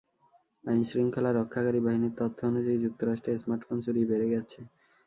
আইন শৃঙ্খলা রক্ষাকারি বাহিনির তথ্য অনুযায়ী, যুক্তরাষ্ট্রে স্মার্টফোন চুরি বেড়ে গেছে।